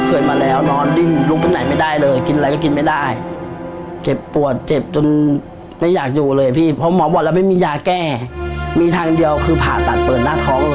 เคยนอนทรมานสองวันสามวัน